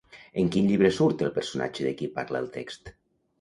En quin llibre surt el personatge de qui parla el text?